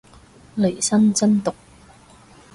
利申真毒